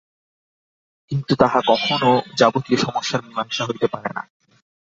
কিন্তু তাহা কখনও যাবতীয় সমস্যার মীমাংসা হইতে পারে না।